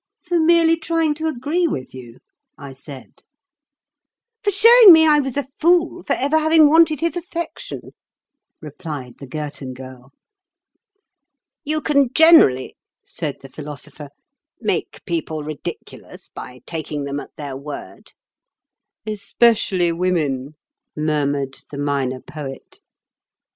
"For merely trying to agree with you?" I said. "For showing me I was a fool for ever having wanted his affection," replied the Girton Girl. "You can generally," said the Philosopher, "make people ridiculous by taking them at their word." "Especially women," murmured the Minor Poet.